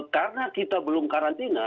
karena kita belum karantina